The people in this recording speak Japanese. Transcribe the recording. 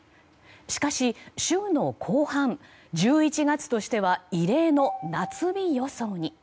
しかし週後半、１１月としては異例の夏日予想に。